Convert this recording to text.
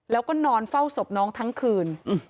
แล้วก็นอนเฝ้าศพน้องทั้งคืน